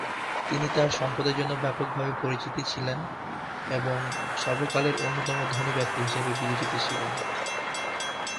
তিনি তার সম্পদের জন্য ব্যাপকভাবে পরিচিত ছিলেন এবং সর্বকালের অন্যতম ধনী ব্যক্তি হিসাবে বিবেচিত ছিলেন।